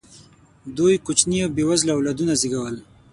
دوی کوچني او بې وزله اولادونه زېږول.